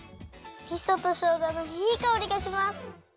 みそとしょうがのいいかおりがします。